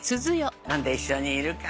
何で一緒にいるか。